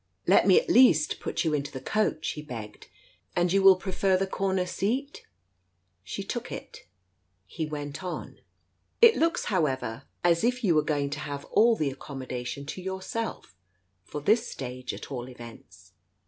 ..." "Let me at least put you into the coach," he begged. " And you will prefer the corner seat ?" r .. She took it'; he went on — "It looks, however, as if you were going to have all the accommodation to yourself, for this stage at all events."